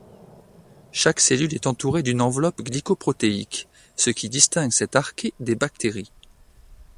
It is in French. Chaque cellule est entourée d'une enveloppe glycoprotéique, ce qui distingue cette archée des bactéries.